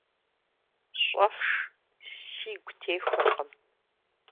Щӏэфш, сигу техуэркъым.